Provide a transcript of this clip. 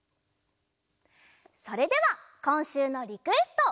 それではこんしゅうのリクエスト！